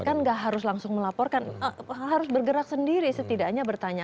kan nggak harus langsung melaporkan harus bergerak sendiri setidaknya bertanya